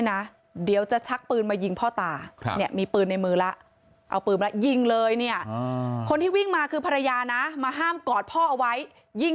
แล้วก็จะมีภรรยามาด้วยเดี๋ยวอีกสักพักหนึ่ง